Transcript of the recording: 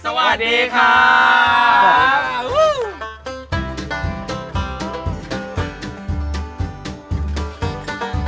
สวัสดีครับ